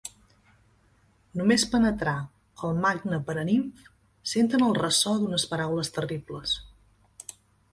Només penetrar al magne Paranimf senten el ressò d'unes paraules terribles.